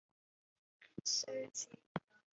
范正在其子年幼时已经身故。